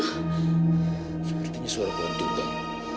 sepertinya suara pohon tumpah